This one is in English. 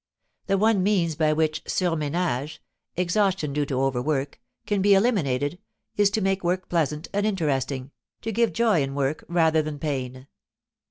The one means by which surménage (exhaustion due to overwork) can be eliminated is to make work pleasant and interesting, to give joy in work rather than pain.